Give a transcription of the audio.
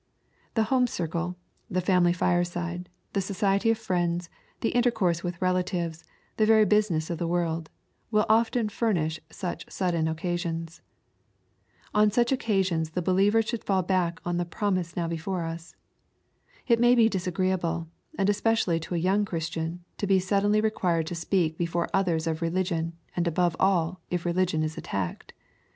The home circle, the family fireside, the society of friends, the intercourse with relatives, the very business of the world, will often furnish such sudden occasions. On such occasions the believer should fall back on the promise now before us. It may be disagree able, and especially to a young Christian, to be suddenly required to speak before others of religion, and above all if religion is attacked.